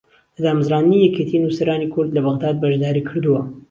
لە دامەزراندنی یەکێتی نووسەرانی کورد لە بەغداد بەشداری کردووە